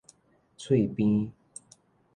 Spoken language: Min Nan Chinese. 喙邊